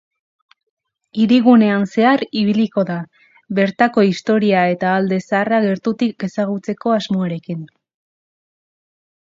Hirigunean zehar ibiliko da, bertako historia eta alde zaharra gertutik ezagutzeko asmoarekin.